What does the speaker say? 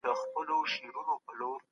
که روغتونونه جوړ سي روغتيا به ښه سي.